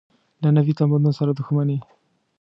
له نوي تمدن سره دښمني.